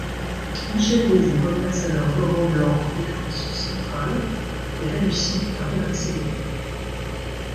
Michel Mézy replace alors Laurent Blanc en défense centrale et réussit à redresser l'équipe.